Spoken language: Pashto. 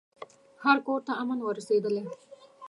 هر کورته امن ور رسېدلی